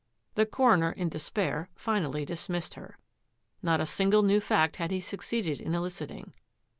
The coroner in despair finally dismissed her. Not a single new fact had he succeeded in eliciting.